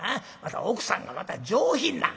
奥さんがまた上品な。